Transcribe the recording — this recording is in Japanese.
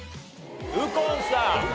右近さん。